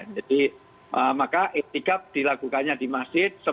jadi maka ikhtikaf dilakukannya di masjid